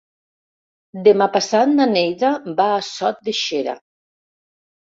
Demà passat na Neida va a Sot de Xera.